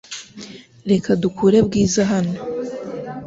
Reka dukure Bwiza hano .